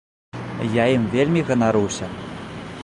Я ім вельмі ганаруся.